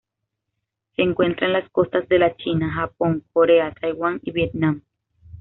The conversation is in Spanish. Se encuentra en las costas de la China, Japón, Corea, Taiwán y Vietnam.